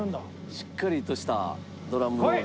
しっかりとしたドラムロール。